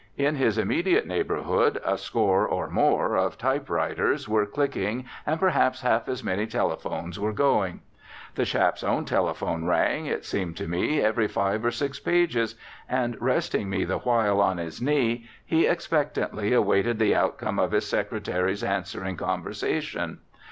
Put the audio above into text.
In his immediate neighbourhood a score or more of typewriters were clicking and perhaps half as many telephones were going. The chap's own telephone rang, it seemed to me, every five or six pages, and, resting me the while on his knee, he expectantly awaited the outcome of his secretary's answering conversation.